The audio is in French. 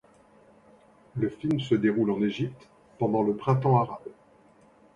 Le film se déroule en Égypte pendant le printemps arabe.